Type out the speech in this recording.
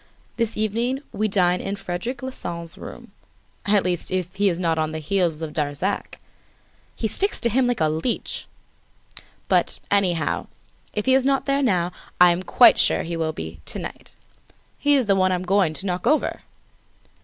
This evening we dine in Frederic Larsan's room, at least, if he is not on the heels of Darzac. He sticks to him like a leech. But, anyhow, if he is not there now, I am quite sure he will be, to night! He's the one I am going to knock over!"